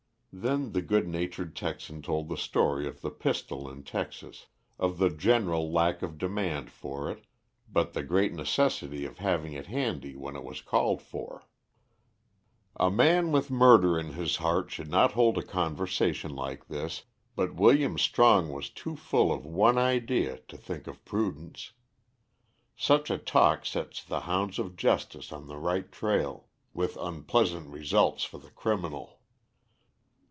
Then the good natured Texan told the story of the pistol in Texas; of the general lack of demand for it, but the great necessity of having it handy when it was called for. A man with murder in his heart should not hold a conversation like this, but William Strong was too full of one idea to think of prudence. Such a talk sets the hounds of justice on the right trail, with unpleasant results for the criminal.